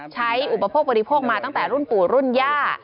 อุปโภคบริโภคมาตั้งแต่รุ่นปู่รุ่นย่า